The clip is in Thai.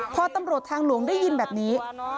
พอตำรวจทางหลวงได้ยินแบบนี้